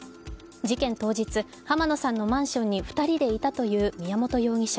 事件当日、濱野さんのマンションに２人でいたという宮本容疑者。